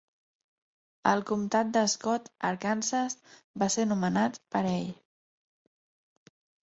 El comtat de Scott, Arkansas, va ser nomenat per ell.